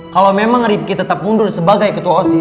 kalau memang rifki tetap mundur sebagai ketua osis